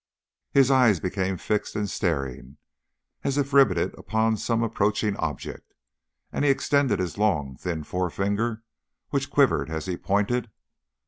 His eyes became fixed and staring, as if riveted upon some approaching object, and he extended his long thin forefinger, which quivered as he pointed.